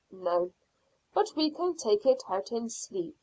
"No, but we can take it out in sleep."